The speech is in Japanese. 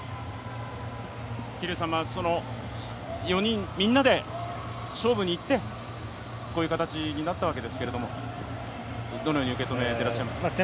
桐生さん４人みんなで勝負にいってこういう形になったわけですけどもどのように受け止めていらっしゃいますか。